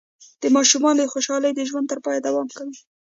د ماشومتوب خوشحالي د ژوند تر پایه دوام کوي.